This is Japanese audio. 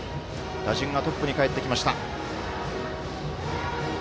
打順はトップにかえってきました。